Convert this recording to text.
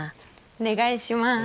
お願いします。